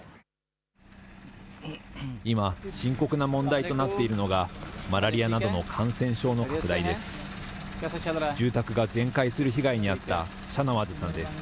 今、深刻な問題となっているのが、マラリアなどの感染症の拡大です。